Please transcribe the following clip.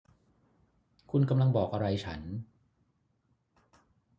คุณกำลังบอกอะไรฉัน